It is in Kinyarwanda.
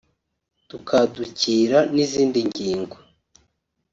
tukadukira n’izindi ngingo